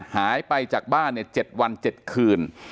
หายไปจากบ้าน๗วัน๗คืน